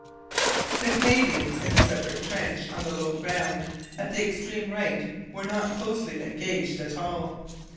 The Canadians in the separate trench on the low ground, at the extreme right, were not closely engaged at all.